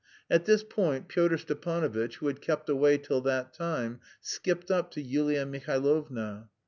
At this point Pyotr Stepanovitch, who had kept away till that time, skipped up to Yulia Mihailovna.